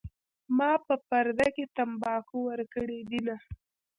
ما په پرده کې تمباکو ورکړي دینه